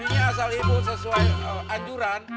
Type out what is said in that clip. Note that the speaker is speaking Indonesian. ini asal ibu sesuai anjuran